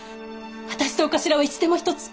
私とお頭はいつでも一つ。